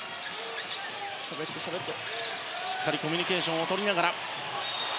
しっかりコミュニケーションをとりながら。